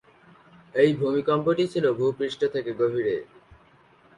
এই ভূমিকম্পটি ছিল ভূপৃষ্ঠ থেকে গভীরে।